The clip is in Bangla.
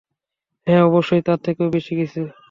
হ্যাঁ, অবশ্যই, তার থেকেও বেশি কিছু।